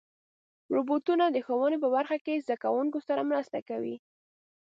روبوټونه د ښوونې په برخه کې زدهکوونکو سره مرسته کوي.